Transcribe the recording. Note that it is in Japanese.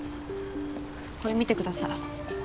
これ見てください。